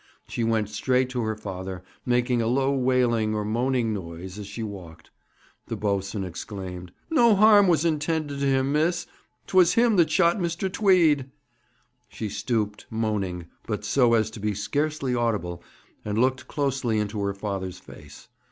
She went straight to her father, making a low wailing or moaning noise as she walked. The boatswain exclaimed: 'No harm was intended to him, miss. 'Twas him that shot Mr. Tweed.' She stooped, moaning, but so as to be scarcely audible, and looked closely into her father's face.